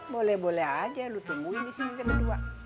boleh boleh aja lu tungguin disini kedua dua